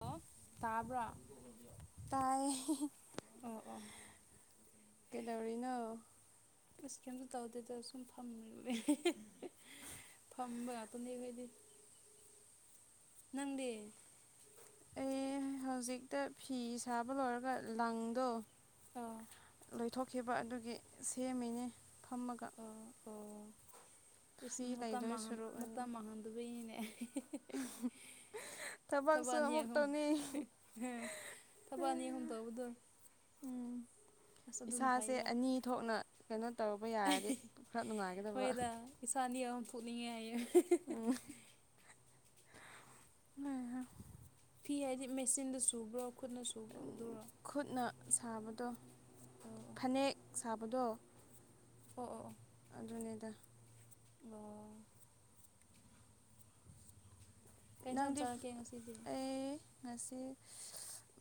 hello ꯇꯥꯕ꯭ꯔꯥ ꯇꯥꯏ ꯑꯣ ꯑꯣ ꯀꯩꯗꯧꯔꯤꯅꫭ ꯏꯁ ꯀꯝꯇ ꯇꯧꯗꯦꯗ ꯁꯨꯝ ꯐꯝꯃꯦ ꯐꯝꯕ ꯉꯥꯛꯇꯅꯦ ꯑꯈꯣꯏꯗꯤ ꯅꯪꯗꯤ ꯑꯩ ꯍꯧꯖꯤꯛꯇ ꯐꯤ ꯁꯥꯕ ꯂꯣꯏꯔꯒ ꯂꯪꯗꯣ ꯑꯥ ꯂꯣꯏꯊꯣꯛꯈꯤꯕ ꯑꯗꯨꯒꯤ ꯁꯦꯝꯃꯤꯅꯦ ꯐꯝꯃꯒ ꯑꯣ ꯑꯣ ꯏꯁ ꯐ꯭ꯔꯤ ꯃꯇꯝ ꯂꯩꯗꯣꯏ ꯃꯥꯡꯍꯥꯟ ꯁꯔꯨꯛ ꯑꯣꯏꯅ ꯃꯇꯝ ꯃꯥꯡꯍꯥꯟꯗꯕꯒꯤꯅꯦ [unintelligible] ꯊꯕꯛꯁꯨ ꯑꯅꯤ ꯑꯃꯨꯛ ꯑꯍꯨꯝ ꯇꯧꯅꯤ ꯊꯕꯛ ꯑꯅꯤ ꯑꯍꯨꯝ ꯇꯧꯕꯗꯣ ꯎꯝ ꯑꯁ ꯑꯗꯨꯅ ꯏꯁꯥꯁꯦ ꯐꯩꯗ ꯑꯅꯤ ꯊꯣꯛꯅ ꯀꯩꯅꯣ ꯇꯧꯕ ꯌꯥꯔꯗꯤ ꯈꯔ ꯅꯨꯡꯉꯥꯏꯒꯗꯕ ꯏꯁ ꯑꯅꯤ ꯑꯍꯨꯝ ꯊꫭꯛꯅꯤꯡꯉꯦ ꯍꯥꯏꯌꯦ ꯎꯝ [unintelligible] ꯐꯤ ꯍꯥꯏꯗꯤ ꯃꯦꯆꯤꯟꯗ ꯁꯨꯕ꯭ꯔꯣ ꯈꯨꯠꯅ ꯁꯨꯕ꯭ꯔꫭ ꯑꯗꯨꯔꯣ ꯈꯨꯠꯅ ꯁꯥꯕꯗꯣ ꯑꯣ ꯐꯅꯦꯛ ꯁꯥꯕꯗꯣ ꯑꯣ ꯑꯣ ꯑꯣ ꯑꯗꯨꯅꯦꯗ ꯑꫭ ꯀꯩ ꯏꯟꯁꯥꯡ ꯅꯪꯗꯤ ꯆꯥꯔꯛꯀꯦ ꯉꯁꯤꯗꯤ ꯑꯦ ꯉꯁꯤ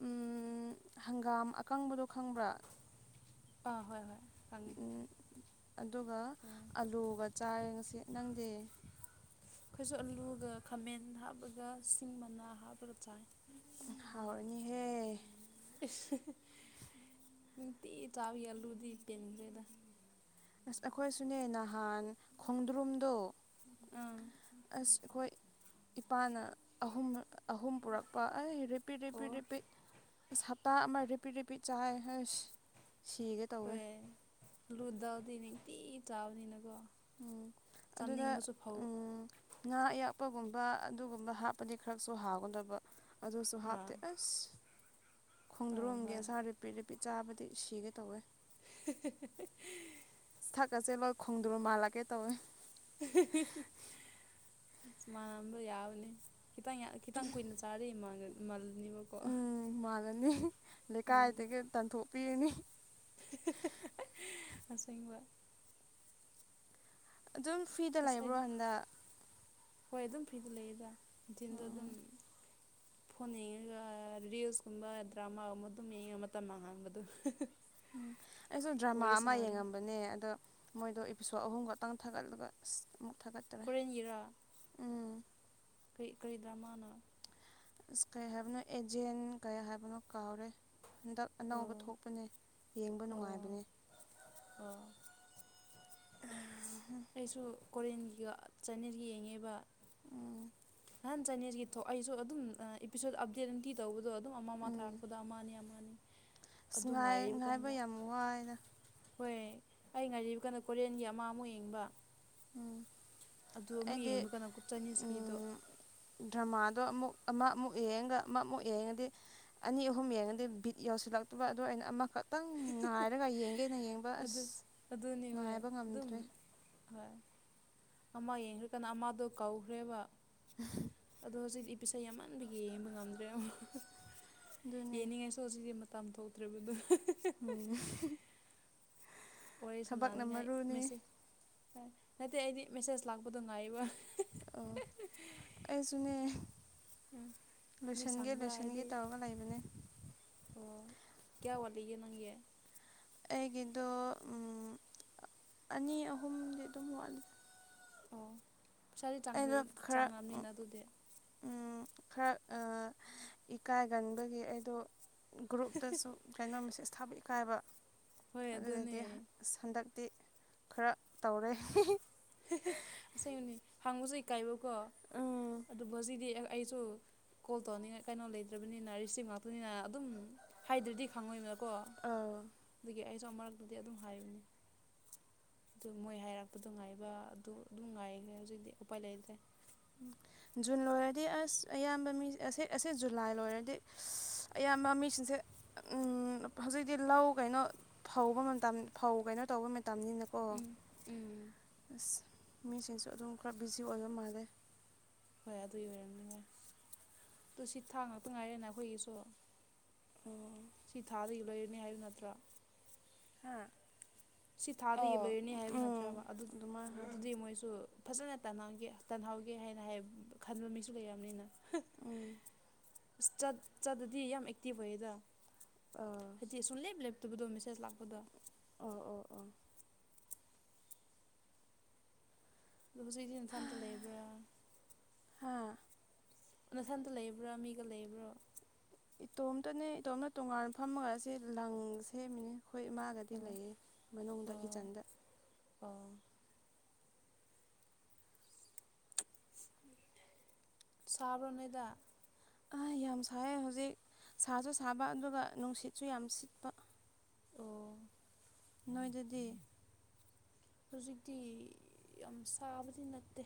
ꯎꯝ ꯍꯪꯒꯥꯝ ꯑꯀꯪꯕꯗꯣ ꯈꯪꯕ꯭ꯔꯥ ꯑꯥ ꯍꯣꯏ ꯍꯣꯏ ꯈꯪꯉꯦ ꯎ ꯑꯗꯨꯒ ꯑꯣ ꯑꯂꯨꯒ ꯆꯥꯏꯔꯦ ꯉꯁꯤ ꯅꯪꯗꯤ ꯑꯩꯈꯣꯏꯁꯨ ꯑꯂꯨꯒ ꯈꯥꯃꯦꯟ ꯍꯥꯞꯄꯒ ꯁꯤꯡ ꯃꯅꯥ ꯍꯥꯞꯄꯒ ꯆꯥꯏ ꯍꯥꯎꯔꯅꯤꯍꯦ ꯏꯁ ꯅꯨꯡꯇꯤꯒꯤ ꯆꯥꯕꯤ ꯑꯂꯨꯗꯤ ꯄꯦꯟꯗꯦꯗ ꯑꯁ ꯑꯩꯈꯣꯏꯁꯨꯅꯦ ꯅꯍꯥꯟ ꯈꯣꯡꯗ꯭ꯔꯨꯝꯗꯣ ꯑꯥ ꯑꯁ ꯑꯩꯈꯣꯏ ꯏꯄꯥꯅ ꯑꯍꯨꯝ ꯑꯍꯨꯝ ꯄꯨꯔꯛꯄ ꯑꯩ ꯔꯦꯄꯤꯠ ꯔꯦꯄꯤꯠ ꯑꯣ ꯔꯦꯄꯤꯠ ꯑꯁ ꯍꯞꯇꯥ ꯑꯃ ꯔꯦ ꯔꯦꯄꯤꯠ ꯔꯦꯄꯤꯠ ꯆꯥꯏ ꯍꯁ ꯁꯤꯒꯦ ꯇꯧꯋꯦ ꯂꯨꯗꯥꯜꯗꯤ ꯅꯤꯡꯇꯤꯒꯤ ꯆꯥꯕꯅꯤꯅꯀꯣ ꯎꯝ ꯑꯗꯨꯗꯥ ꯆꯥꯅꯤꯡꯕꯁꯨ ꯐꯥꯎ ꯎꯝ ꯉꯥ ꯑꯌꯥꯛꯄꯒꯨꯝꯕ ꯑꯗꯨꯒꯨꯝꯕ ꯍꯥꯞꯄꯗꯤ ꯈꯔꯁꯨ ꯍꯥꯎꯒꯗꯥꯕ ꯑꯗꯨꯁꯨ ꯑꯥ ꯍꯥꯞꯇꯦ ꯑꯁ ꯑꯥ ꯈꯣꯡꯗ꯭ꯔꯣꯝꯒꯦ ꯍꯣꯏ ꯑꯁꯥꯔꯤ ꯔꯦꯄꯤꯠ ꯔꯦꯄꯤꯠ ꯆꯥꯕꯗꯤ ꯁꯤꯒꯦ ꯇꯧꯋꯦ [unintelligible] ꯁꯥꯛꯀꯁꯦ ꯂꯣꯏ ꯈꯣꯡꯗ꯭ꯔꫭꯝ ꯃꯥꯜꯂꯛꯀꯦ ꯇꯧꯋꯤ ꯃꯥꯜꯂꯝꯕ ꯌꯥꯕꯅꯦ ꯈꯤꯇꯪ ꯌꯥꯝ ꯈꯤꯇꯪ ꯀꯨꯏꯅ ꯆꯥꯔ ꯃꯥꯜ ꯃꯥꯜꯂꯅꯦꯕꯀꯣ ꯎꯝ ꯃꯥꯜꯂꯅꯤ ꯂꯩꯀꯥꯏꯗꯒꯤ ꯇꯥꯟꯊꯣꯛꯄꯤꯔꯅꯤ ꯑꯁꯦꯡꯕ ꯑꯗꯨꯝ ꯐ꯭ꯤꯗ ꯑꯁ ꯂꯩꯕ꯭ꯔꯣ ꯑꯩꯗꯤ ꯍꯟꯗꯛ ꯍꯣꯏ ꯑꯗꯨꯝ ꯐ꯭ꯔꯤꯗ ꯂꯩꯌꯦꯗ ꯅꯨꯡꯊꯤꯟꯗꯣ ꯎꯝ ꯑꯗꯨꯝ ꯐꯣꯟ ꯌꯦꯡꯉꯒ ꯔꯤꯜꯁꯀꯨꯝꯕ ꯗ꯭ꯔꯃꯥꯒꯨꯝꯕ ꯑꯗꯨꯝ ꯌꯦꯡꯉ ꯃꯇꯝ ꯃꯥꯡꯍꯥꯡꯕꯗꫭ ꯎꯝ ꯑꯩꯁꯨ ꯗ꯭ꯔꯃꯥ ꯑꯃ ꯌꯦꯡꯉꯝꯕꯅꯦ ꯑꯗꯣ ꯃꯣꯏꯗꯣ ꯏꯄꯤꯁ꯭ꯋꯥ ꯑꯍꯨꯝ ꯈꯛꯇꯪ ꯊꯥꯒꯠꯂꯒ ꯑꯃꯨꯛ ꯊꯥꯒꯠ ꯀꯣꯔꯦꯟꯒꯤꯔꯥ ꯀꯔꯤ ꯀꯔꯤ ꯗ꯭ꯔꯃꯥꯅꫭ ꯑꯁ ꯀꯩ ꯍꯥꯏꯕꯅꯣ ꯑꯦꯖꯦꯟ ꯀꯩ ꯍꯥꯏꯕꯅꯣ ꯀꯥꯎꯔꯦ ꯍꯟꯗꯛ ꯑꯅꯧꯕ ꯑꯣ ꯊꯣꯛꯄꯅꯦ ꯌꯦꯡꯕ ꯑꯣ ꯅꯨꯡꯉꯥꯏꯕꯅꯦ ꯑꯣ ꯑ ꯑꯩꯁꯨ ꯀꯣꯔꯤꯌꯟꯒꯤꯒ ꯆꯥꯏꯅꯤꯖꯒ ꯌꯦꯡꯉꯦꯕ ꯎꯝ ꯅꯍꯥꯟ ꯆꯥꯏꯅꯤꯖꯀꯤ ꯊꯣꯛ ꯑꯩꯁꯨ ꯑꯗꯨꯝ ꯑꯦꯄꯤꯁꯣꯠ ꯑꯞꯗꯦꯠ ꯅꯨꯡꯇꯤꯒꯤ ꯇꯧꯕꯗꯣ ꯑꯗꯨꯝ ꯑꯃ ꯑꯃ ꯎꯝ ꯊꯥꯔꯛꯄꯗ ꯑꯃ ꯑꯅꯤ ꯑꯃ ꯑꯅꯤ ꯑꯁ ꯉꯥꯏ-ꯉꯥꯏꯕ ꯌꯥꯝ ꯋꯥꯏꯗ ꯍꯣꯏ ꯑꯩ ꯉꯥꯏꯔꯤꯕꯀꯥꯟꯗ ꯀꯣꯔꯤꯌꯥꯟꯒꯤ ꯑꯃ ꯑꯃꯨꯛ ꯌꯦꯡꯕ ꯎꯝ ꯑꯗꯨ ꯑꯃꯨꯛ ꯑꯩꯗꯤ ꯌꯦꯡꯕ ꯀꯥꯟꯗ ꯆꯥꯏꯅꯤꯁꯀꯤꯗꯣ ꯎꯝ ꯗ꯭ꯔꯃꯥꯗꯣ ꯑꯃꯨꯛ ꯑꯃ ꯑꯃꯨꯛ ꯌꯦꯡꯉꯒ ꯑꯃ ꯑꯃꯨꯛ ꯌꯦꯡꯉꯗꯤ ꯑꯅꯤ ꯑꯍꯨꯝ ꯌꯦꯡꯉꯗꯤ ꯕꯤꯠ ꯌꯧꯁꯤꯜꯂꯛꯇꯕ ꯑꯗꯨꯗ ꯑꯩꯅ ꯑꯃꯈꯛꯇꯪ ꯉꯥꯏꯔꯒ ꯌꯦꯡꯒꯦꯅꯡ ꯑꯗꯨ ꯑꯗꯨꯅꯤ ꯚꯥꯏ ꯑꯗꯨꯝ ꯍꯣꯏ ꯑꯃ ꯌꯦꯡꯈ꯭ꯔꯀꯥꯟꯗ ꯑꯃꯗꯣ ꯀꯧꯈ꯭ꯔꯦꯕ ꯎꯝ [unintelligible] ꯑꯗꯣ ꯍꯧꯖꯤꯛꯇꯤ ꯏꯄꯤꯁꯥꯠ ꯌꯥꯝꯃꯟꯕꯒꯤ ꯌꯦꯡꯕ ꯉꯝꯗ꯭ꯔꯦ ꯑꯃꯨꯛ ꯑꯗꯨꯅꯦ ꯌꯦꯡꯅꯤꯡꯉꯥꯏ [unintelligible] ꯁꯣ [unintelligible] ꯁꯤꯗꯤ ꯃꯇꯝ ꯊꯣꯛꯇ꯭ꯔꯦꯔꯤꯕꯗ ꯑꯍꯝ [unintelligible] ꯎꯝ [unintelligible] ꯋꯥꯔꯤ ꯊꯕꯛꯅ ꯁꯥꯟꯅꯅꯤꯡꯉꯥꯏ ꯃꯔꯨꯅꯤ ꯃꯦꯁꯦꯖ [inaudible] ꯅꯠꯇꯦ ꯑꯩꯗꯤ ꯃꯦꯁꯦꯖ ꯂꯥꯛꯄꯗꯣ ꯉꯥꯏꯕ ꯑꯣ ꯑꯩꯁꯨꯅꯦ ꯎꯝ ꯃꯤ ꯁꯪꯕ꯭ꯔꯥ ꯂꯣꯏꯁꯤꯟꯒꯦ-ꯂꯣꯏꯁꯤꯟꯒꯦ ꯍꯥꯏꯔꯗꯤ ꯇꯧꯔꯒ ꯂꯩꯕꯅꯦ ꯑꯣ ꯀꯌꯥ ꯋꯥꯂꯤꯒꯦ ꯅꯪꯒꯤ ꯑꯩꯒꯤꯗ ꯎꯝ [unintelligible] ꯑꯅꯤ ꯑꯍꯨꯝꯗꯤ ꯑꯗꯨꯝ ꯋꯥꯠꯂꯤ ꯑꯣ ꯄꯩꯁꯥꯗꯤ ꯑꯩꯗꯣ ꯆꯥꯡꯈ꯭ꯔ ꯈꯔ ꯆꯥꯡꯉꯝꯅꯤꯅ ꯑꯗꯨꯗꯤ ꯎꯝ ꯈꯔ ꯏꯀꯥꯏꯒꯟꯕꯒꯤ ꯑꯩꯗꯣ ꯒ꯭ꯔꯨꯞꯇꯁꯨ ꯀꯩꯅꯣ ꯃꯦꯁꯦꯖ ꯊꯥꯕ ꯏꯀꯥꯏꯕ ꯍꯣꯏ ꯑꯗꯨꯅꯦ ꯑꯗꯨꯗꯗꯤ ꯁꯟꯗꯛꯇꯤ ꯈꯔ ꯇꯧꯔꯦ ꯍꯤꯍꯤ [unintelligible] ꯑꯁꯦꯡꯅꯤ ꯍꯪꯕꯁꯨ ꯏꯀꯥꯏꯕꯀꯣ ꯎꯝ ꯑꯗꯨ [unintelligible] ꯖꯤꯗꯤ ꯑꯩꯁꯨ ꯀꯣꯜ ꯇꯧꯅꯤꯡꯉꯥꯏ ꯀꯩꯅꯣ ꯂꯩꯇ꯭ꯔꯕꯅꯤꯅ ꯔꯤꯁꯤꯞ ꯉꯥꯛꯇꯅꯤꯅ ꯑꯗꯨꯝ ꯍꯥꯏꯗ꯭ꯔꯗꯤ ꯈꯪꯉꯣꯏꯅꯤꯅ ꯀꯣ ꯑꯥ ꯑꯗꯨꯒꯤ ꯑꯩꯁꯨ ꯑꯃꯔꯛ [unintelligible] ꯑꯗꯨꯗꯤ ꯑꯗꯨꯝ ꯍꯥꯏꯕꯅꯤ ꯑꯗꯨ ꯃꯣꯏ ꯍꯥꯏꯔꯛꯄꯗꯨ ꯉꯥꯏꯕ [unintelligible] ꯑ [unintelligible] ꯑꯗꯨ ꯑꯗꯨꯝ ꯉꯥꯏꯈ꯭ꯔꯦ ꯍꯧꯖꯤꯛꯇꯤ ꯎꯄꯥꯏ ꯂꯩꯇ꯭ꯔꯦ ꯎꯝ [unintelligible] ꯖꯨꯟ ꯂꯣꯏꯔꯗꯤ ꯑꯁ ꯑꯌꯥꯝꯕ ꯃꯤ ꯑꯁꯤ ꯑꯁꯤ ꯖꯨꯂꯥꯏ ꯂꯣꯏꯔꯗꯤ ꯑꯌꯥꯝꯕ ꯃꯤꯁꯤꯡꯁꯦ ꯎꯝ ꯍꯧꯖꯤꯛꯇꯤ ꯂꯧ ꯀꯩꯅꯣ ꯐꯧꯕ ꯃꯇꯝ ꯐꯧ ꯀꯩꯅꯣ ꯇꯧꯕ ꯇꯝꯅꯤꯅꯀꯣ ꯎꯝ ꯎꯝ ꯑꯁ [unintelligible] ꯃꯤꯁꯤꯡꯁꯨ ꯑꯗꯨꯝ ꯈꯔ ꯕꯤꯖꯤ ꯑꯣꯏꯕ ꯃꯥꯜꯂꯦ ꯍꯣꯏ ꯑꯗꯨꯒꯤ ꯑꯣꯏꯔꯝꯅꯤꯉꯥꯏ ꯇꯨ ꯁꯤ ꯊꯥꯡ ꯉꯥꯛꯇ ꯉꯥꯏꯔꯦꯅ ꯑꯩꯈꯣꯏꯒꯤꯁꯨ ꯎꯝ [unintelligible] ꯁꯤ ꯊꯥꯗꯒꯤ ꯂꯣꯏꯔꯅꯤ ꯍꯥꯏꯕ ꯅꯠꯇ꯭ꯔꯥ ꯍꯥꯥ [unintelligible] ꯁꯤ ꯊꯥꯗꯒꯤ ꯂꯣꯏꯔꯅꯤ ꯍꯥꯏꯕ ꯅꯠꯇ꯭ꯔꯕ ꯑꯗꯨ ꯑꯗꯨꯃꯥꯏꯅ ꯍꯥꯏꯕꯅꯤ ꯑꯗꯨꯗꯤ ꯃꯣꯏꯁꯨ ꯐꯖꯅ ꯇꯅꯒꯦ [unintelligible] ꯇꯍꯒꯦ [unintelligible] ꯇꯥꯟꯍꯧꯒꯦ ꯍꯥꯏꯅ ꯍꯥꯏ ꯈꯟꯕ ꯃꯤꯁꯨ ꯂꯩꯔꯝꯅꯤꯅ ꯍꯥ ꯎꯝ [unintelligible] ꯆꯠ ꯆꯠꯇꯗꯤ ꯌꯥꯝ ꯑꯦꯛꯇꯤꯚ ꯑꯣꯏꯌꯦꯗ ꯑꯥ [unintelligible] ꯍꯥꯏꯗꯤ [inaudible] ꯁꯨꯝ ꯂꯦꯞ ꯂꯦꯞꯇꯕꯗꯣ ꯃꯦꯁꯦꯖ ꯂꯥꯛꯄꯗ ꯑꯣ ꯑꯣ ꯑꯣ [unintelligible] ꯑꯗꯣ ꯍꯧꯖꯤꯛꯇꯤ ꯏꯝꯐꯥꯜꯗ ꯂꯩꯕ꯭ꯔꯥ ꯍꯥꯥ [unintelligible] ꯅꯊꯟꯇ ꯂꯩꯕ꯭ꯔꯥ ꯃꯤꯒ ꯂꯩꯕ꯭ꯔꯣ ꯏꯇꯣꯝꯇꯅꯦ ꯏꯇꯣꯝꯅ ꯇꯣꯉꯥꯟ ꯐꯝꯃꯒ ꯑꯁꯤ ꯂꯪ ꯁꯦꯝꯃꯤꯅꯦ ꯑꯩꯈꯣꯏ ꯏꯃꯥꯒꯗꯤ ꯑꯣ ꯂꯩꯌꯦ ꯃꯅꯨꯡꯗ ꯑꯣ ꯀꯤꯆꯟꯗ ꯑꯣ ꯁꯥꯕ꯭ꯔꯣ ꯅꯣꯏꯗ ꯑ ꯌꯥꯝ ꯁꯥꯏ ꯍꯧꯖꯤꯛ ꯁꯥꯁꯨ ꯁꯥꯕ ꯑꯗꯨꯒ ꯅꯨꯡꯁꯤꯠꯁꯨ ꯌꯥꯝ ꯁꯤꯠꯄ ꯑꯣ ꯅꯣꯏꯗꯗꯤ ꯍꯧꯖꯤꯛꯇꯤ ꯌꯥꯝ ꯁꯥꯕꯗꯤ ꯅꯠꯇꯦ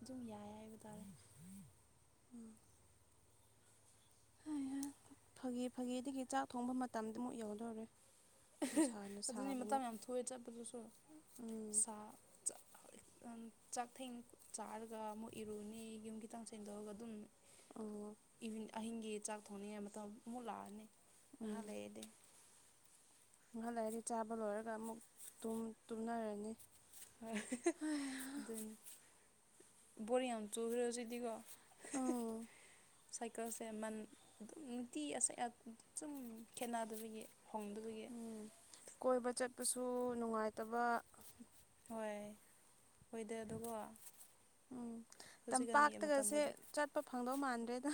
ꯑꯗꯨꯨꯝ ꯌꯥꯏ ꯍꯥꯏꯕ ꯇꯥꯔꯦ ꯎꯝ ꯐꯒꯤ ꯐꯥꯒꯤꯗꯒꯤ ꯆꯥꯛ ꯊꯣꯡꯕ ꯃꯇꯝꯗꯨꯃꯨꯛ ꯑꯃꯨꯛ ꯌꯧꯗꯧꯔꯦ ꯅꯨꯡꯁꯥꯅ ꯑꯗꯨꯅꯤ ꯁꯥꯕꯅꯦ ꯃꯇꯝ ꯌꯥꯝ ꯊꯨꯋꯦ ꯆꯠꯄꯗꯨꯁꯨ ꯎꯝ ꯁꯥ [inaudible] ꯆꯥꯛ ꯊꯦꯡ ꯆꯥꯔꯒ ꯑꯃꯨꯛ ꯏꯔꯨꯅꯤ ꯌꯨꯝ ꯈꯤꯇꯪ ꯁꯦꯡꯗꯣꯛꯑꯒ ꯑꯗꯨꯝ ꯑꯣ ꯑꯍꯤꯡꯒꯤ ꯆꯥꯛ ꯊꯣꯡꯅꯤꯡꯉꯥꯏ ꯃꯇꯝ ꯑꯃꯨꯛ ꯂꯥꯛꯑꯅꯤ ꯉꯥꯏꯍꯥꯛ ꯂꯩꯔꯗꯤ ꯉꯍꯥꯛ ꯂꯩꯔꯗꯤ ꯆꯥꯕ ꯂꯣꯏꯔꯒ ꯑꯃꯨꯛ ꯇꯨꯝ ꯇꯨꯝꯅꯔꯅꯤ [unintelligible] ꯑꯗꯨꯅꯤ ꯕꯣꯔꯤꯡ ꯌꯥꯝ ꯆꯨꯈ꯭ꯔꯁꯤꯗꯤꯀꯣ ꯎꯝ ꯁꯥꯏꯀꯜꯁꯦ ꯃꯟ ꯑꯗꯨꯝ ꯅꯨꯡꯇꯤ ꯑꯁ ꯑ ꯁꯨꯝ ꯈꯦꯠꯅꯗꯕꯒꯤ ꯍꯣꯡꯗꯕꯒꯤ ꯎꯝ ꯀꯣꯏꯕ ꯆꯠꯄꯁꯨ ꯅꯨꯡꯉꯥꯏꯇꯕ ꯍꯣꯏ ꯍꯣꯏꯗ ꯑꯗꯨꯀꯣ ꯎꯝ ꯇꯝꯄꯥꯛꯇꯒꯁꯦ ꯆꯠꯄ ꯐꯪꯗꯧ ꯃꯥꯟꯗ꯭ꯔꯦꯗ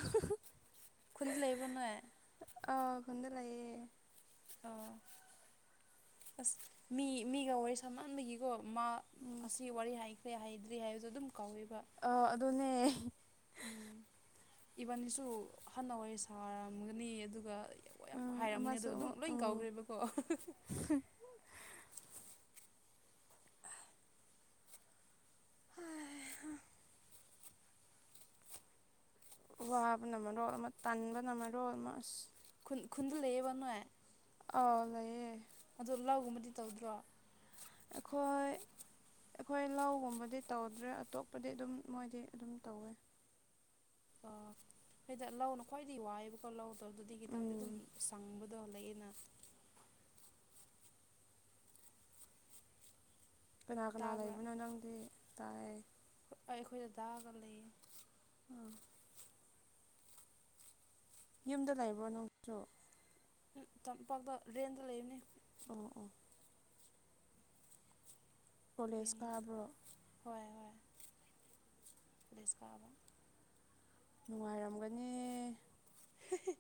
ꯈꯨꯟꯗ ꯂꯩꯕ꯭ꯔꯣ ꯅꯣꯏ ꯑꯥ ꯈꯨꯟꯗ ꯂꯩꯌꯦ ꯑ ꯑꯁ ꯃꯤ ꯃꯤꯒ ꯋꯥꯔꯤ ꯁꯝꯃꯥꯟꯕꯒꯤ ꯒꯣ ꯃꯥ ꯎꯝ ꯑꯁꯤ ꯋꯥꯔꯤ ꯍꯥꯏꯈ꯭ꯔꯦ ꯍꯩꯏꯗ꯭ꯔꯤ ꯍꯥꯏꯕꯁꯨ ꯑꯗꯨꯝ ꯀꯧꯋꯦꯕ ꯑꯥ ꯑꯗꯨꯅꯦ ꯎꯝ ꯏꯚꯟꯅꯤꯁꯨ ꯍꯟꯅ ꯋꯥꯔꯤ ꯁꯥꯔꯝꯒꯅꯤ ꯑꯗꯨꯒ ꯍꯣꯏ ꯌꯥꯝ ꯎꯝ ꯍꯥꯏꯔꯝꯅꯦ ꯑꯗꯨ ꯑꯃꯁꯨ ꯑꯗꯨꯝ ꯑꯃꯨꯛ ꯂꯣꯏ ꯎꯝ ꯀꯧꯈ꯭ꯔꯦꯕꯀꯣ ꯋꯥꯕꯅ ꯃꯔꯣꯜ ꯑꯃꯥ ꯇꯟꯕꯅ ꯃꯔ ꯑꯃꯥ ꯑꯁ ꯈꯨꯟ ꯈꯨꯟꯗꯨ ꯂꯩꯌꯦꯕ ꯅꯣꯏ ꯑꯥꯎ ꯂꯩꯌꯦ ꯑꯗꯣ ꯂꯥꯎꯒꯨꯝꯕꯗꯤ ꯇꯧꯗ꯭ꯔꯣ ꯑꯩꯈꯣꯏ ꯑꯩꯈꯣꯏ ꯂꯧꯒꯨꯝꯕꯗꯤ ꯇꯧꯗ꯭ꯔꯦ ꯑꯇꯣꯞꯄꯗꯤ ꯑꯗꯨꯝ ꯃꯣꯏꯗꯤ ꯑꯗꯨꯝ ꯇꯧꯋꯦ ꯑ ꯍꯩꯗ ꯂꯧꯅ ꯈ꯭ꯋꯥꯏꯗꯒꯤ ꯋꯥꯏꯑꯦꯕꯀꯣ ꯂꯧꯗꯣ ꯗꯨꯗꯤ ꯈꯤꯇꯪꯗꯤ ꯎꯝ ꯑꯗꯨꯝ ꯁꯪꯕ ꯗꯣ ꯂꯩꯏꯅ ꯀꯅꯥ ꯀꯅꯥ ꯇꯥꯕ꯭ꯔꯥ ꯂꯩꯕꯅꯣ ꯅꯪꯗꯤ ꯇꯥꯏ ꯑꯩ ꯑꯩꯈꯣꯏ ꯗꯥꯗꯥꯒ ꯂꯩꯌꯦ ꯑꯥ ꯌꯨꯝꯗ ꯂꯩꯕ꯭ꯔꯣ ꯅꯪꯁꯨ ꯇꯝꯄꯥꯛꯇꯥ ꯔꯦꯟꯗ ꯂꯩꯕꯅꯦ ꯑꯣ ꯑꯣ ꯀꯣꯂꯦꯖ ꯔꯦꯟꯗ ꯀꯥꯕ꯭ꯔꯣ ꯍꯣꯏ ꯍꯣꯏ ꯀꯣꯂꯦꯁ ꯀꯥꯕ ꯅꯨꯡꯉꯥꯏꯔꯝꯒꯅꯤ [unintelligible]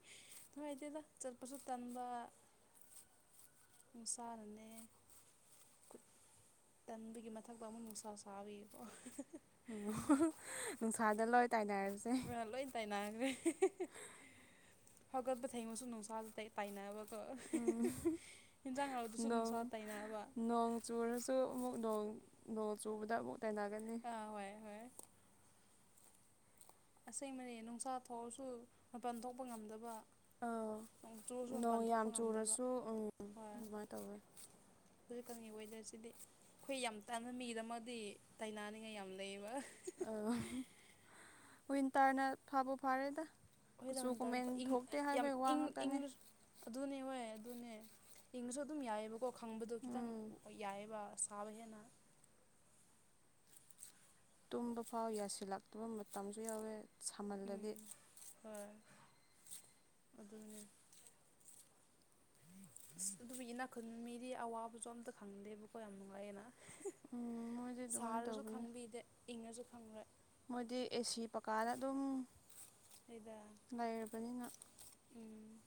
ꯅꯨꯡꯉꯥꯏꯇꯦꯗ ꯆꯠꯄꯁꯨ ꯇꯟꯕ ꯅꯨꯡꯁꯥꯅꯅꯦ ꯇꯟꯕꯒꯤ ꯃꯊꯛꯇ ꯑꯃꯨꯛ ꯅꯨꯡꯁꯥ ꯁꯥꯕꯒꯤꯀꯣ ꯑꯣ ꯅꯨꯡꯁꯥꯗ ꯂꯣꯏ ꯇꯥꯏꯅꯔꯁꯦ ꯂꯣꯏ ꯇꯥꯏꯅꯈ꯭ꯔꯦ ꯍꯧꯒꯠꯄ ꯊꯦꯡꯕꯁꯨ ꯅꯨꯡꯁꯥ ꯇꯩ ꯇꯥꯏꯅꯕꯀꯣ ꯎꯝ ꯍꯦꯟꯖꯥꯡ ꯍꯥꯎꯇ꯭ꯔꯥꯁꯨ ꯅꯣꯡ ꯅꯨꯡꯁꯥꯗ ꯇꯥꯏꯅꯕ ꯅꯣꯡ ꯆꯨꯔꯁꯨ ꯑꯃꯨꯛ ꯅꯣꯡ ꯅꯣꯡ ꯆꯨꯕꯗ ꯑꯃꯨꯛ ꯇꯥꯏꯅꯒꯅꯤ ꯑꯥ ꯍꯣꯏ ꯍꯣꯏ ꯑꯁꯦꯡꯕꯅꯦ ꯅꯨꯡꯁꯥ ꯊꯣꯛꯔꯁꯨ ꯃꯄꯥꯟ ꯊꯣꯛꯄ ꯉꯝꯗꯕ ꯑꯥ ꯅꯣꯡ ꯆꯨꯔꯁꯨ ꯃꯄꯥꯟ ꯅꯣꯡ ꯊꯣꯛꯄ ꯌꯥꯝ ꯉꯝꯗꯕ ꯆꯨꯔꯁꯨ ꯎꯝ ꯍꯣꯏ ꯑꯗꯨꯃꯥꯏꯅ ꯇꯧꯋꯦ ꯍꯧꯖꯤꯛꯀꯥꯟꯒꯤ ꯋꯦꯗ꯭ꯔꯁꯤꯗꯤ ꯑꯩꯈꯣꯏ ꯌꯥꯝ ꯇꯟꯃ ꯃꯤꯒꯤꯗꯃꯛꯗꯤ ꯇꯥꯏꯅꯅꯤꯡꯉꯥꯏ ꯌꯥꯝ ꯂꯩꯌꯦꯕ ꯑꯥ ꯋꯤꯟꯇ꯭ꯔꯅ ꯐꯕꯨ ꯐꯔꯦꯗ ꯍꯣꯏꯗ ꯋꯤꯟꯇ꯭ꯔꯅ ꯐ ꯏꯪ ꯌꯥꯝ ꯏꯪ ꯉꯥꯛꯇꯅꯦ ꯏꯪꯂꯁꯨ ꯑꯗꯨꯅꯦ ꯍꯣꯏ ꯑꯗꯨꯅꯦ ꯏꯡꯉꯁꯨ ꯑꯗꯨꯝ ꯌꯥꯏꯑꯕꯀꯣ ꯈꯪꯕꯗꯣ ꯈꯤꯇꯪ ꯎꯝ ꯌꯥꯏꯑꯕ ꯑꯁ ꯄꯥꯕ ꯍꯦꯟꯅ ꯇꯨꯝꯕ ꯐꯥꯎ ꯌꯥꯁꯤꯜꯂꯛꯇꯕ ꯃꯇꯝꯁꯨ ꯌꯥꯎꯋꯦ ꯁꯥꯃꯜꯂꯗꯤ ꯎꯝ ꯍꯣꯏ ꯑꯗꯨꯅꯦ ꯑꯁ ꯑꯗꯨꯕꯨ ꯏꯅꯥꯈꯨꯟ ꯃꯤꯗꯤ ꯑꯋꯥꯕꯁꯨ ꯑꯝꯇ ꯈꯪꯗꯦꯕꯀꯣ ꯌꯥꯝ ꯅꯨꯡꯉꯥꯏꯌꯦꯅ ꯎꯝ ꯃꯣꯏꯗꯤ ꯑꯗꯨꯃꯥꯏꯅ ꯁꯥꯔꯁꯨ ꯇꯧꯕꯅꯦ ꯈꯪꯕꯤꯗꯦ ꯏꯪꯉꯁꯨ ꯈꯪꯉꯔꯣꯏ ꯃꯣꯏꯗꯤ ꯑꯦꯁꯤ ꯄꯀꯥꯗ ꯑꯗꯨꯝ ꯑꯗꯨꯗ ꯂꯩꯔꯕꯅꯤꯅ ꯎꯝ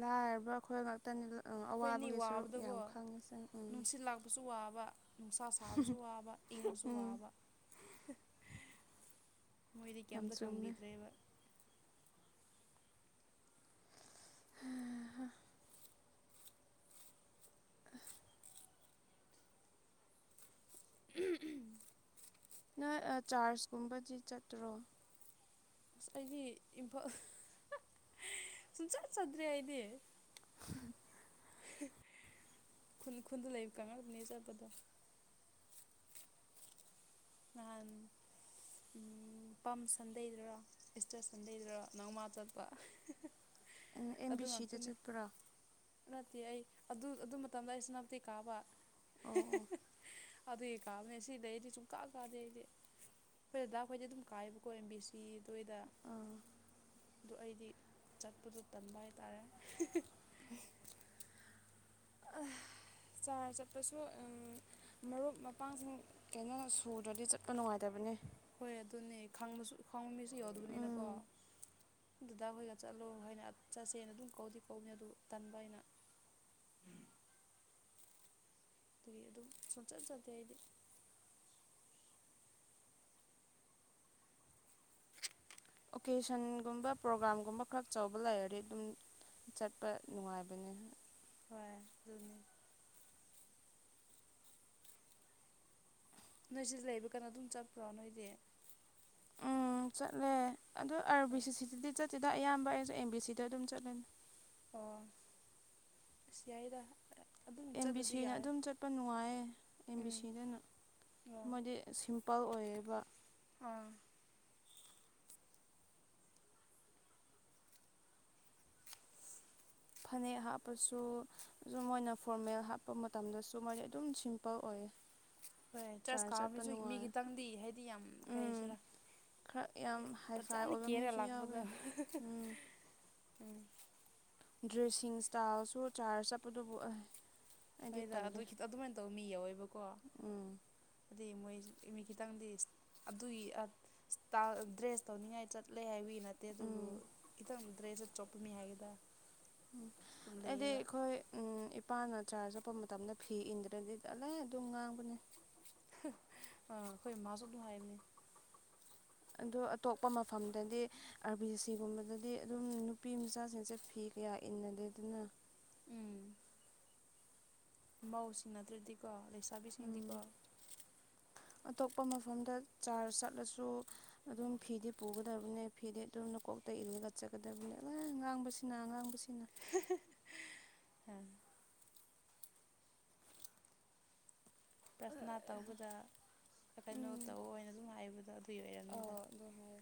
ꯂꯥꯏꯔꯕ ꯑꯩꯈꯣꯏ ꯉꯥꯛꯇꯅꯤ ꯎꯝ ꯑꯩꯈꯣꯏ ꯑꯅꯤ ꯑꯋꯥꯕꯒꯤ ꯁꯔꯨꯛ ꯌꯥꯝ ꯈꯪꯉꯤꯁꯦ ꯎꯝ ꯕꯨꯁꯨ ꯋꯥꯕ ꯅꯨꯡꯁꯥ ꯁꯥꯕꯁꯨ ꯋꯥꯕ ꯏꯪꯉꯁꯨ ꯎꯝ ꯋꯥꯕ ꯃꯣꯏꯗꯤ ꯌꯥꯝ ꯀꯩꯝꯇ ꯆꯨꯝꯃꯦ ꯈꯪꯕꯤꯗ꯭ꯔꯦꯕ [unintelligible] [unintelligible] ꯅꯣꯏ ꯑ ꯆꯥꯔ꯭ꯖꯀꯨꯝꯕꯗꯤ ꯆꯠꯇ꯭ꯔꯣ ꯑꯁ ꯑꯩꯗꯤ ꯏꯝꯐꯥꯜ ꯁꯨꯝꯆꯠ ꯆꯠꯗ꯭ꯔꯦ ꯑꯩꯗꯤ [unintelligible] ꯈꯨꯟ ꯈꯨꯟꯗ ꯂꯩꯕꯀꯥꯟꯉꯥꯛꯇꯅꯤ ꯆꯠꯄꯗꯣ ꯉꯍꯥꯟ ꯎꯝ ꯄꯝ ꯁꯟꯗꯦꯗꯨꯔꯥ ꯏꯁꯇ꯭ꯔ ꯁꯟꯗꯦꯗꯨꯗꯔꯥ ꯅꯣꯡꯃꯥ ꯆꯠꯄ ꯑꯦꯝ ꯑꯗꯨ ꯕꯤ ꯁꯤꯗ ꯉꯥꯛꯇꯅꯤ ꯆꯠꯄ꯭ꯔꯣ ꯅꯠꯇꯦ ꯑꯩ ꯑꯗꯨ ꯑꯗꯨ ꯃꯇꯝꯗ ꯑꯩ ꯁꯦꯅꯄꯇꯤ ꯀꯥꯕ ꯑꯣ ꯑꯣ ꯑꯗꯨꯒꯤ ꯀꯥꯕꯅꯦ ꯁꯤꯗ ꯑꯩꯗꯤ ꯆꯨꯡꯀꯥ ꯀꯥꯗꯦ ꯑꯩꯗꯤ ꯑꯩꯈꯣꯏ ꯗꯥꯗꯥꯈꯣꯏꯗꯤ ꯑꯗꯨꯝ ꯀꯥꯏꯑꯕ ꯀꯣꯏ ꯑꯦꯝ ꯕꯤ ꯁꯤ ꯗꯨꯒꯤꯗ ꯑꯥ ꯑꯗꯨ ꯑꯩꯗꯤ ꯆꯠꯄꯗꯣ ꯇꯟꯕ ꯍꯥꯏꯇꯥꯔꯦ ꯑꯦ ꯆꯥꯔ ꯆꯠꯄꯁꯨ ꯑꯝ ꯃꯔꯨꯞ ꯃꯄꯥꯡꯁꯤꯡ ꯀꯩꯅꯣ ꯁꯨꯗ꯭ꯔꯗꯤ ꯆꯠꯄ ꯅꯨꯡꯉꯥꯏꯇꯕꯅꯦ ꯍꯣꯏ ꯑꯗꯨꯅꯦ ꯈꯪꯕꯁꯨ ꯈꯪꯕ ꯃꯤꯁꯨ ꯌꯥꯎꯗꯕꯅꯤꯅꯀꯣ ꯎꯝ ꯗꯥꯗꯥꯈꯣꯏꯒ ꯆꯠꯂꯣ ꯍꯥꯏꯅ ꯆꯠꯁꯦꯅ ꯑꯗꯨꯝ ꯀꯧꯗꯤ ꯀꯧꯕꯅꯤ ꯑꯗꯨ ꯇꯟꯕ ꯑꯩꯅ ꯑꯗꯨꯒꯤ ꯑꯗꯨꯝ ꯁꯨꯝꯆꯠ ꯆꯠꯇꯦ ꯑꯩꯗꯤ ꯑꯣꯀꯦꯁꯟꯒꯨꯝꯕ ꯄ꯭ꯔꯣꯒ꯭ꯔꯥꯝꯒꯨꯝꯕ ꯈꯛ ꯆꯥꯎꯕ ꯂꯩꯔꯗꯤ ꯑꯗꯨꯝ ꯆꯠꯄ ꯅꯨꯡꯉꯥꯏꯕꯅꯦ ꯍꯣꯏ ꯑꯗꯨꯅꯤ ꯅꯣꯏꯁꯤꯗ ꯂꯩꯕ ꯀꯩꯅꯣ ꯑꯗꯨꯝ ꯆꯠꯄ꯭ꯔꯣ ꯅꯣꯏꯗꯤ ꯎꯝ ꯆꯠꯂꯦ ꯑꯗꯣ ꯑꯥꯔ ꯕꯤ ꯑꯣ ꯁꯤ ꯁꯤꯗꯗꯤ ꯆꯠꯇꯦꯗ ꯑꯌꯥꯝꯕ ꯑꯦꯁ ꯑꯦꯝ ꯕꯤ ꯁꯤꯗ ꯑꯗꯨꯝ ꯆꯠꯂꯦ ꯑꯣ ꯑꯁ ꯌꯥꯏꯗ ꯑꯗꯨꯝ ꯑꯦꯝ ꯕꯤ ꯆꯠꯂꯗꯤ ꯁꯤꯅ ꯌꯥꯔꯦ ꯑꯗꯨꯝ ꯆꯠꯄ ꯅꯨꯡꯉꯥꯏꯌꯦ ꯑꯦꯝ ꯕꯤ ꯎꯝ ꯁꯤꯗꯅ ꯑꯣ ꯃꯣꯏꯗꯤ ꯁꯤꯝꯄꯜ ꯑꯣꯏꯌꯦꯕ ꯑꯥ ꯐꯅꯦꯛ ꯍꯥꯞꯄꯁꯨ ꯑꯗꯨ ꯃꯣꯏꯅ ꯐꯣꯔꯃꯦꯜ ꯍꯥꯞꯄ ꯃꯇꯝꯗꯁꯨ ꯃꯣꯏꯗꯤ ꯑꯗꯨꯝ ꯁꯤꯝꯄꯜ ꯑꯣꯏꯌꯦ ꯍꯣꯏ ꯆ꯭ꯔꯁ ꯆꯥꯔ ꯀꯥꯕ ꯆꯠꯄ ꯃꯤꯁꯨ ꯃꯤ ꯅꯨꯡꯉꯥꯏ ꯈꯤꯇꯪꯗꯤ ꯍꯥꯏꯗꯤ ꯌꯥꯝ ꯀꯩ ꯎꯝ ꯍꯥꯏꯁꯤꯔꯥ ꯈꯔ ꯌꯥꯝ ꯍꯥꯏꯐꯥꯏ ꯐꯖꯅ ꯑꯣꯏꯕ ꯀꯦꯔ ꯃꯤꯁꯨ ꯂꯥꯛꯄꯗꯣ ꯌꯥꯎꯋꯦ ꯎꯝ ꯎꯝ ꯗ꯭ꯔꯦꯁꯤꯡ ꯏꯁꯇꯥꯏꯜꯁꯨ ꯆꯥꯔꯖ ꯆꯠꯄꯗꯨꯕꯨ ꯑꯦ ꯍꯣꯏꯗ ꯑꯗꯨꯈꯤꯇ ꯑꯗꯨꯃꯥꯏꯅ ꯇꯧ ꯃꯤ ꯌꯥꯎꯋꯦꯕꯀꯣ ꯎꯝ ꯍꯥꯏꯗꯤ ꯃꯣꯏ ꯃꯤ ꯈꯤꯇꯪꯗꯤ ꯑꯗꯨꯒꯤ ꯑ ꯏꯁꯇꯥꯏꯜ ꯑ ꯗ꯭ꯔꯦꯁ ꯇꯧꯅꯤꯡꯉꯥꯏ ꯆꯠꯂꯦ ꯍꯥꯏꯕꯤ ꯅꯠꯇꯦ ꯑꯗꯨꯕꯨ ꯎꯝ ꯈꯤꯇꯪ ꯗ꯭ꯔꯦꯁꯇ ꯆꯣꯞꯄꯃꯤ ꯍꯥꯏꯒꯦꯗ ꯎ ꯑꯩꯗꯤ ꯑꯩꯈꯣꯏ ꯎꯝ ꯄꯥꯟꯒ ꯆꯥꯔꯖ ꯆꯠꯄ ꯃꯇꯝꯗ ꯐꯤ ꯏꯟꯗ꯭ꯔꯗꯤ ꯑꯂꯥꯏ ꯑꯗꯨꯝ ꯉꯥꯡꯕꯅꯦ ꯍꯥ ꯑ ꯑꯩꯈꯣꯏ ꯃꯥꯁꯨ ꯑꯗꯨ ꯍꯥꯏꯕꯅꯤ ꯑꯗꯣ ꯑꯇꯣꯞꯄ ꯃꯐꯝꯗꯗꯤ ꯑꯥꯔꯕꯤ ꯁꯤꯒꯨꯝꯕꯗꯗꯤ ꯑꯗꯨꯝ ꯅꯨꯄꯤ ꯃꯆꯥꯁꯤꯡꯁꯦ ꯐꯤ ꯀꯌꯥ ꯏꯟꯅꯗꯦ ꯑꯗꯨꯅ ꯎꯝ ꯃꯧꯁꯤꯡ ꯅꯠꯇ꯭ꯔꯗꯤꯀꯣ ꯂꯩꯁꯥꯕꯤꯁꯤꯡꯗꯤꯀꯣ ꯎꯝ ꯑꯇꯣꯞꯄ ꯃꯐꯝꯗ ꯆꯥꯔ ꯆꯠꯂꯁꯨ ꯑꯗꯨꯝ ꯐꯤꯗꯤ ꯄꯨꯒꯗꯕꯅꯦ ꯐꯤꯗꯤ ꯑꯗꯨꯝ ꯅꯀꯣꯛꯇ ꯏꯜꯂꯒ ꯆꯠꯒꯗꯕꯅꯦ ꯑꯂ ꯉꯥꯡꯕꯁꯤ ꯁꯤꯅ ꯉꯥꯡꯕꯁꯤꯅ ꯑꯥ ꯔꯊꯅꯥ ꯇꯧꯕꯗ ꯀꯩꯅꯣ ꯎꯝ ꯇꯧ ꯑꯣꯏꯅ ꯑꯗꯨꯝ ꯍꯥꯏꯕꯗꯣ ꯑꯗꯨꯒꯤ ꯑꯧ ꯑꯣꯏꯔꯝꯅꯤꯗ ꯑꯗꯨ ꯍꯥꯏ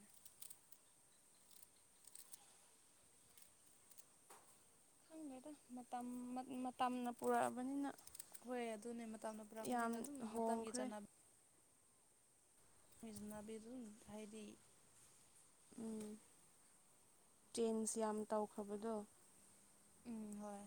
ꯈꯪꯗꯦꯗ ꯃꯇꯝ ꯃꯇꯝꯅ ꯄꯨꯔꯛꯑꯕꯅꯤꯅ ꯍꯣꯏ ꯑꯗꯨꯅꯦ ꯃꯇꯝꯅ ꯌꯥꯝ ꯄꯨꯔꯛꯅꯤꯅ ꯑꯗꯨꯝ ꯃꯇꯝꯒꯤ ꯍꯣꯡꯈ꯭ꯔꯦ ꯆꯥꯟꯅ ꯃꯣꯏ ꯖꯅꯥꯕꯤ ꯗꯨꯝ ꯍꯥꯏꯗꯤ ꯎꯝ ꯆꯦꯟꯖ ꯌꯥꯝ ꯇꯧꯈ꯭ꯔꯕꯗꯣ ꯎꯝ ꯍꯣꯏ